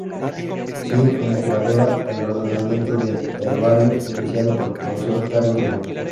Sigue como curadora, el ordenamiento del herbario iniciado por el profesor Carlos Muñoz.